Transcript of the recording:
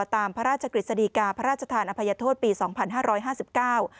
ตามพระราชกฤษฎีกาพระราชทานอภัยโทษปีสองพันห้าร้อยห้าสิบเก้า